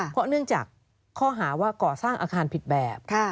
เพราะเนื่องจากข้อหาว่าก่อสร้างอาคารผิดแบบ